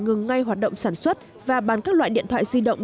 sony cũng ngừng ngay hoạt động sản xuất và bán các loại điện thoại di động